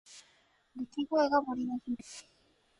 鳴き声が森に響く。